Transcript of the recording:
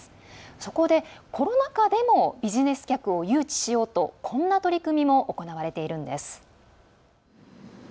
そこで、コロナ禍でもビジネス客を誘致しようとこんな取り組みも行われているんです。